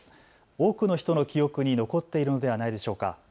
多くの人の記憶に残っているのではないでしょうか。